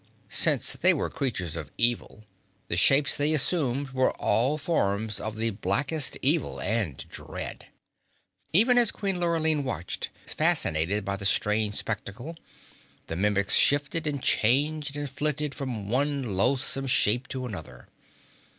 Since they were creatures of evil, the shapes they assumed were all forms of the blackest evil and dread. Even as Queen Lurline watched, fascinated by the strange spectacle, the Mimics shifted and changed and flitted from one loathsome shape to another.